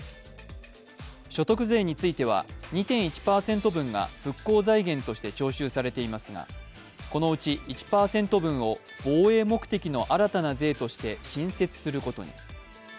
所得税については２．１％分が復興財源として徴収されていますがこのうち１％分を防衛目的の新たな税として新設することに。